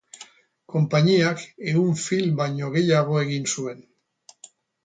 Konpainiak ehun film baino gehiago egin zuen.